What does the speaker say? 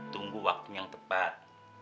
tunggu waktu yang tepat